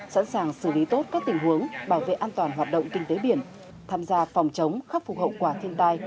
sẵn sàng xử lý tốt các tình huống bảo vệ an toàn hoạt động kinh tế biển tham gia phòng chống khắc phục hậu quả thiên tai